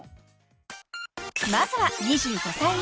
［まずは２５歳以下］